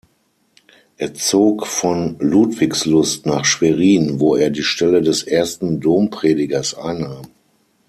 Er zog von Ludwigslust nach Schwerin, wo er die Stelle des Ersten Dompredigers einnahm.